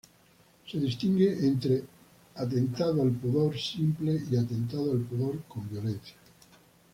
Se distingue entre atentado al pudor simple y atentado al pudor con violencia.